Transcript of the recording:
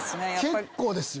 結構ですよ